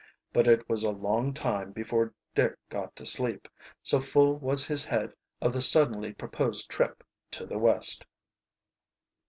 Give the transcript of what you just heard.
But it was a long time before Dick got to sleep, so full was his head of the suddenly proposed trip to the West.